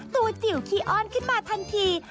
จิ๋วขี้อ้อนขึ้นมาทันที